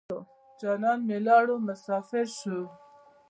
جانان مې ولاړو مسافر شو.